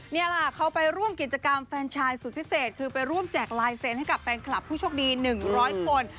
นี่แหละเขาไปร่วมกิจกรรมแฟนชายสุดพิเศษคือไปร่วมแจกลายเซ็นต์ให้กับแฟนคลับผู้โชคดี๑๐๐คน